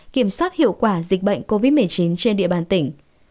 kiểm soát hiệu quả dịch bệnh covid một mươi chín trên địa bàn tỉnh